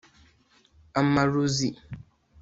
amarozi